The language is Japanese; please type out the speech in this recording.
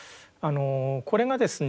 これがですね